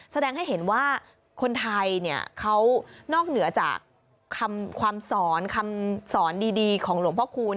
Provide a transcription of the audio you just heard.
แสดงให้เห็นว่าคนไทยเนี่ยเขานอกเหนือจากคำสอนคำสอนดีของหลวงพ่อคูณ